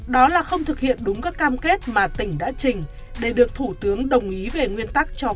đó là không thực hiện đúng các cam kết mà tỉnh đã dự kiến